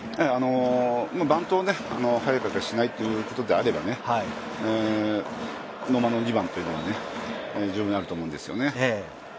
バントをしないということであれば、野間の２番というのは十分あると思うんですよね。